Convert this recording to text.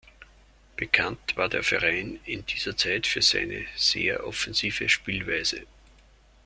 Bekannt war der Verein in dieser Zeit für seine sehr offensive Spielweise.